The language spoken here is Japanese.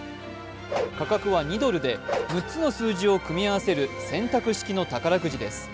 価格は２ドルで６つの数字を組合わせる選択式の宝くじです。